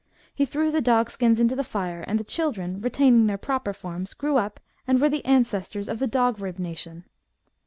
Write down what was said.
He threw the dog skins into the fire, and the children, retaining their proper forms, grew up, and were the ancestors of the dog rib nation."